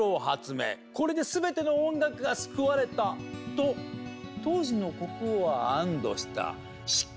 「これで全ての音楽が救われた！」と当時の国王は安堵した。